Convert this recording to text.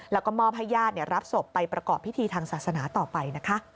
แล้วก็หมอพญาตรรับศพไปประกอบพิธีทางศาสนาต่อไป